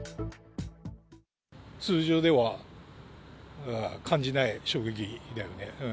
通常では感じない衝撃だよね。